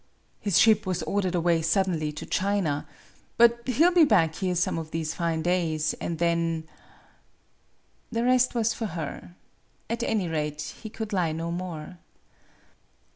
" His ship was ordered away suddenly to China; but he '11 be back here some of these fine days, and then " The rest was for her. At any rate, he could lie no more.